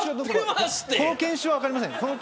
この研修は分かりませんよ。